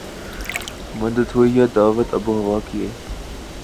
مدت ہوئی ہے دعوت آب و ہوا کیے